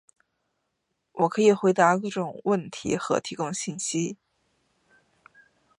我可以回答各种问题和提供信息。